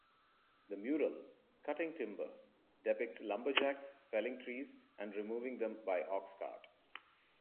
The mural, "Cutting Timber", depicts lumberjacks felling trees and removing them by oxcart.